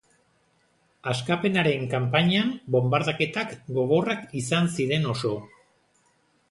Askapenaren kanpainan bonbardaketak gogorrak izan ziren oso.